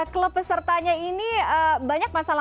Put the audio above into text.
klub pesertanya ini banyak masalah